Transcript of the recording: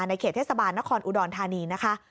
ในเขตเทสต์บาลนครอุดอลธานีฯ